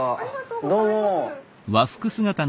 どうも。